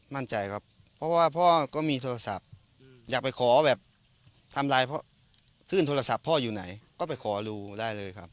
มั่นใจครับเพราะว่าพ่อก็มีโทรศัพท์อยากไปขอแบบทำลายพ่อขึ้นโทรศัพท์พ่ออยู่ไหนก็ไปขอดูได้เลยครับ